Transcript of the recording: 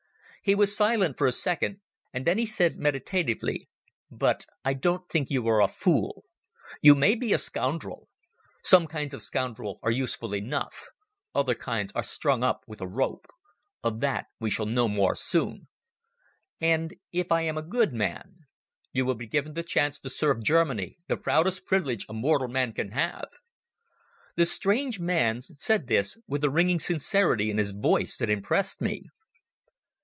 He was silent for a second, and then he said, meditatively: "But I don't think you are a fool. You may be a scoundrel. Some kinds of scoundrel are useful enough. Other kinds are strung up with a rope. Of that we shall know more soon." "And if I am a good man?" "You will be given a chance to serve Germany, the proudest privilege a mortal man can have." The strange man said this with a ringing sincerity in his voice that impressed me.